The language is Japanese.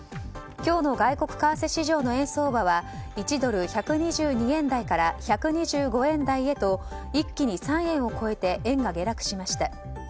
今日の外国為替市場の円相場は１ドル＝１２２円台から１２５円台へと一気に３円を超えて円が下落しました。